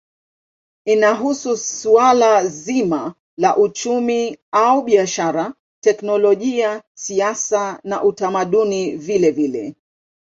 Inahusu suala zima la uchumi au biashara, teknolojia, siasa na utamaduni vilevile.